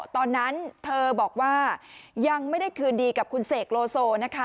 ตอนนั้นเธอบอกว่ายังไม่ได้คืนดีกับคุณเสกโลโซนะคะ